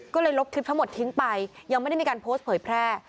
ก็เลยลบคลิปทั้งหมดทิ้งไปยังไม่ได้มีการโพสต์เผยแพร่